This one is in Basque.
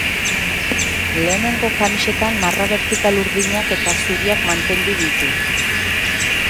Lehenengo kamisetan marra bertikal urdinak eta zuriak mantendu ditu.